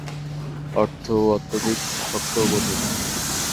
অর্থ ও অত্যধিক শক্ত ও কঠিন।